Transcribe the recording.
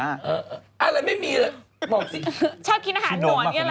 อะไรไม่มีอะไรบอกสิ